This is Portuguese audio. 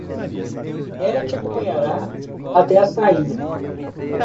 Ela te acompanhará até a saída